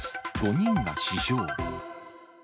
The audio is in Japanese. ５人が死傷。